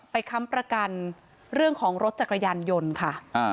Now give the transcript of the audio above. ค้ำประกันเรื่องของรถจักรยานยนต์ค่ะ